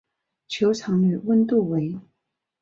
球场内温度为。